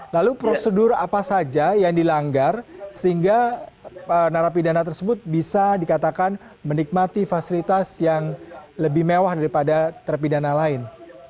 lalu prosedur apa saja yang dilanggar sehingga narapidana tersebut bisa dikatakan menikmati fasilitas yang lebih mewah daripada terpidana lain